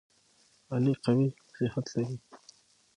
علي قوي صحت لري.